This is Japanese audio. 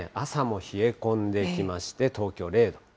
朝も冷え込んできまして、東京０度。